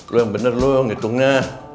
lo yang bener lu ngitungnya